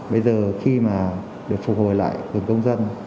bây giờ khi mà được phục hồi lại từng công dân